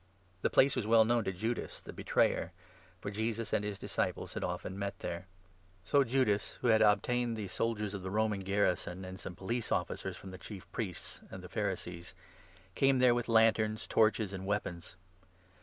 The place was well known to Judas, the betrayer, for Jesus and his disciples had often met there. So Judas, who had obtained the soldiers of the Roman garrison, JOHN, 18. 201 and some police officers from the Chief Priests and the Pharisees, came there with lanterns, torches, and weapons.